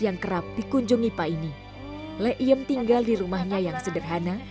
yang kerap dikunjungi pak ini leiem tinggal di rumahnya yang sederhana